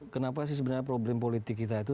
kenapa sih sebenarnya problem politik kita itu